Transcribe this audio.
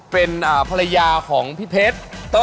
เป็นภรรยาของพี่เพชร